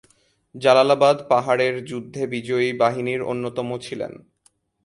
জালালাবাদ পাহাড়ের যুদ্ধে বিজয়ী বাহিনীর অন্যতম ছিলেন।